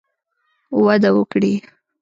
وده وکړي